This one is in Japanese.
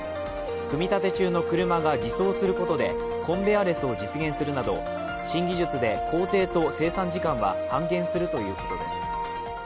組み立て中の車が自走することでコンベアレスを実現するなど新技術で工程と生産時間は半減するということです。